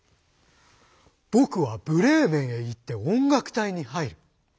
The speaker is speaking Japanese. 「僕はブレーメンへ行って音楽隊に入る！